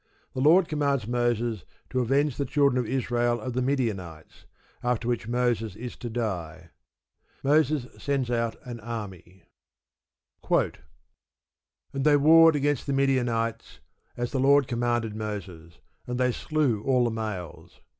The Lord commands Moses to "avenge the children of Israel of the Midianites," after which Moses is to die. Moses sends out an army: And they warred against the Midianites, as the Lord commanded Moses; and they slew all the males.